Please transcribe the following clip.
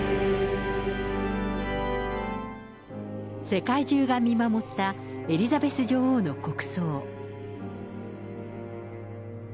世界中が見守った、エリザベス女王の国葬。